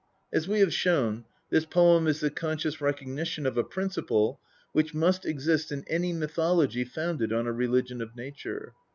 As we have shown, this poem is the conscious recognition of a principle which must exist in any mythology founded on a religion of nature.